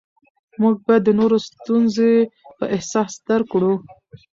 موږ باید د نورو ستونزې په احساس درک کړو